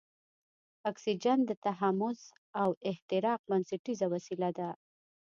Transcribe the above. اکسیجن د تحمض او احتراق بنسټیزه وسیله ده.